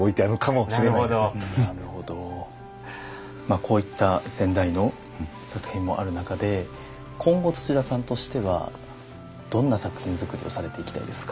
こういった先代の作品もある中で今後土田さんとしてはどんな作品作りをされていきたいですか。